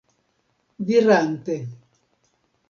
dirante